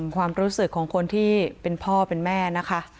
ความรู้สึกของคนที่เป็นพ่อเป็นแม่นะคะ